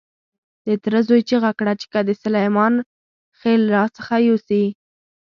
د تره زوی چیغه کړه چې که دې سلیمان خېل را څخه يوسي.